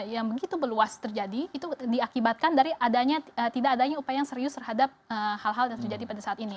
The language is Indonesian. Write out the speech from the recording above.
yang begitu meluas terjadi itu diakibatkan dari adanya tidak adanya upaya yang serius terhadap hal hal yang terjadi pada saat ini